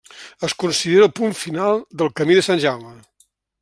Es considera el punt final del camí de Sant Jaume.